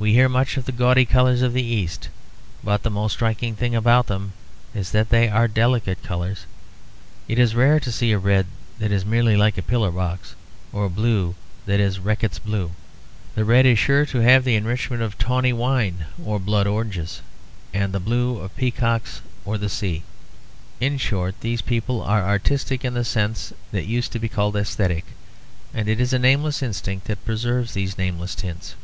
We hear much of the gaudy colours of the East; but the most striking thing about them is that they are delicate colours. It is rare to see a red that is merely like a pillar box, or a blue that is Reckitt's blue; the red is sure to have the enrichment of tawny wine or blood oranges, and the blue of peacocks or the sea. In short these people are artistic in the sense that used to be called aesthetic; and it is a nameless instinct that preserves these nameless tints.